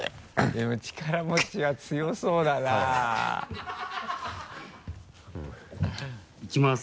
でも力持ちは強そうだな。いきます。